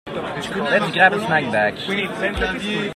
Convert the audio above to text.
Let’s grab a snack bag.